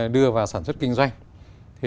đưa vào sản xuất kinh doanh